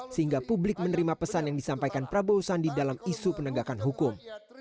sehingga publik menerima pesan yang disampaikan prabowo sandi dalam isu penegakan hukum